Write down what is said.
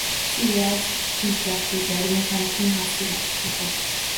Чи яаж тэр жаал хүүд армийнхаа тэн хагасыг алдаж чадав?